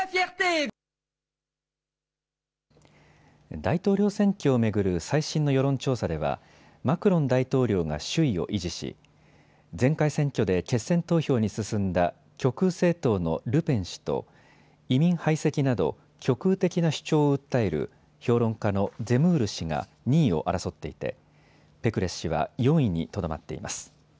大統領選挙を巡る最新の世論調査ではマクロン大統領が首位を維持し、前回選挙で決選投票に進んだ極右政党のルペン氏と移民排斥など極右的な主張を訴える評論家のゼムール氏が２位を争っていてペクレス氏は４位にとどまっています。